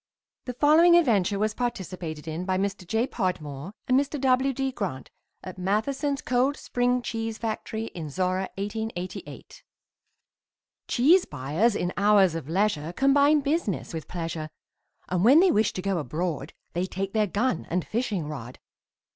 The following adventure was participated in by Mr. J. Podmore and Mr. W. D. Grant at Matheson's Cold Spring Cheese Factory in Zorra, 1888. Cheese buyers in hours of leisure Combine business with pleasure, And when they wish to go abroad They take their gun and fishing rod.